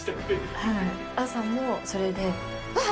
はい、朝もそれで、あー！